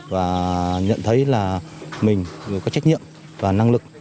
và nhận thấy là mình có trách nhiệm và năng lực